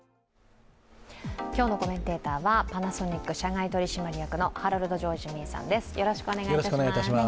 今日のコメンテーターはパナソニック社外取締役のハロルド・ジョージ・メイさんです。